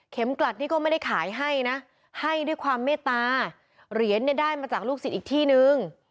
กลัดนี่ก็ไม่ได้ขายให้นะให้ด้วยความเมตตาเหรียญเนี่ยได้มาจากลูกศิษย์อีกที่นึง